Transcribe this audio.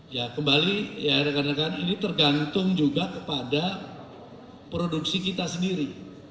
ya kembali ya rekan rekan ini tergantung juga kepada produksi kita sendiri